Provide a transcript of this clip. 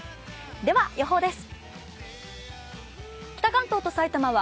では予報です。